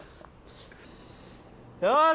よし！